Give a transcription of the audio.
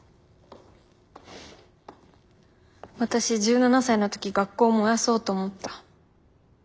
私１７才の時学校を燃やそうと思った。